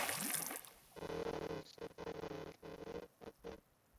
白俄罗斯加盟苏联前时并没有国歌。